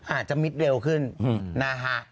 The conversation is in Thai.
อาจจะมิดเร็วขึ้นนะฮะ